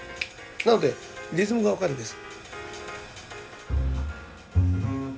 なのでリズムが分かるんです。